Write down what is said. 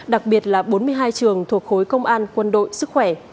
đặc biệt là bốn mươi hai trường thuộc khối công an quân đội sức khỏe